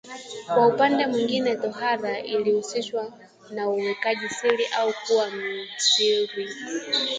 Kwa upande mwingine tohara ilihusishwa na uwekaji siri au kuwa msiri